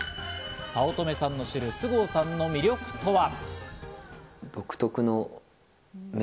早乙女さんの知る、菅生さんの魅力とは。